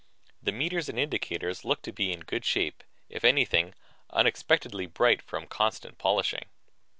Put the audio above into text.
The meters and indicators looked to be in good shape; if anything, unexpectedly bright from constant polishing.